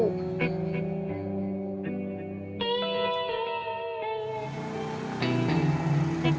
mak diberi kesempatan untuk usahakan tumas